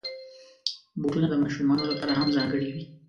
بوټونه د ماشومانو لپاره هم ځانګړي وي.